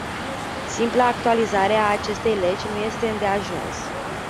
Simpla actualizare a acestei legi nu este îndeajuns.